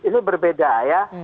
ini berbeda ya